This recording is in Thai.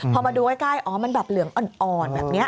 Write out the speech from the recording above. พอมาดูใกล้อ๋อมันแบบเหลืองอ่อนแบบนี้